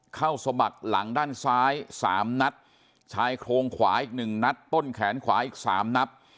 สมัครหลังด้านซ้าย๓นัดชายโครงขวาอีกหนึ่งนัดต้นแขนขวาอีก๓นัด